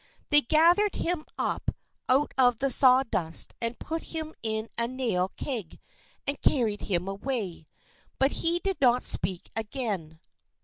They gathered him up out of the saw dust and put him in a nail keg and carried him away, but he did not speak again.